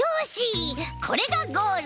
これがゴール！